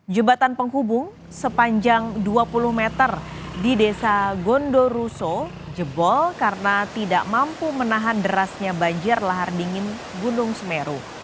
jembatan penghubung sepanjang dua puluh meter di desa gondoruso jebol karena tidak mampu menahan derasnya banjir lahar dingin gunung semeru